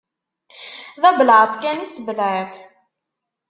D abelεeṭ kan i tettbelεiṭ.